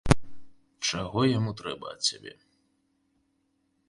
Чаго яму трэба ад цябе?